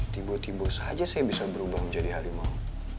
tiba tiba saja saya bisa berubah menjadi harimau